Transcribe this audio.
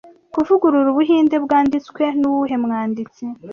'Kuvugurura Ubuhinde' byanditswe nuwuhe mwanditsi